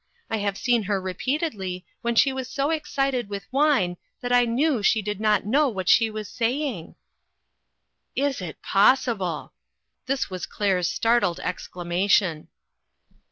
I have seen her repeatedly when she was so excited with wine that I knew she did not know what she was saying." " Is it possible !" This was Claire's start led exclamation.